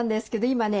今ね